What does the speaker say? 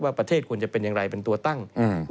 ประเทศควรจะเป็นอย่างไรเป็นตัวตั้ง